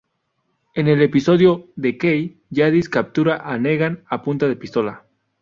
En el episodio "The Key", Jadis captura a Negan a punta de pistola.